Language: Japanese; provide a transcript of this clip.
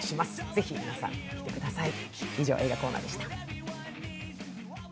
ぜひ皆さん見てください。